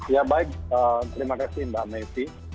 ya baik terima kasih mbak mepri